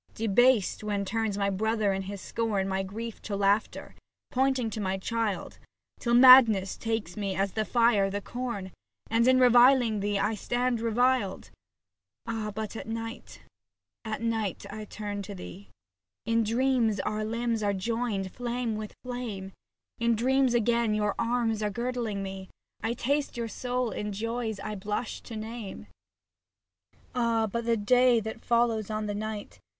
Debased, when turns my brother in his scorn My grief to laughter, pointing to my child ; Till madness takes me as the fire the corn 70 SAPPHO TO PHAON And, in reviling thee, I stand reviled. Ah ! but at night. At night I turn to thee. In dreams our limbs are joined, as flame with flame, In dreams again your arms are girdling me, I taste your soul in joys I blush to name. Ah ! but the day that follows on the night.